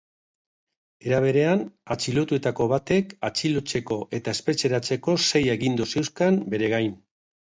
Era berean, atxilotuetako batek atxilotzeko eta espetxeratzeko sei agindu zeuzkan bere gain.